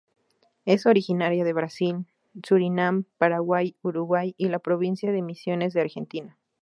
Es originaria de Brasil, Surinam, Paraguay, Uruguay, y la Provincia de Misiones de Argentina.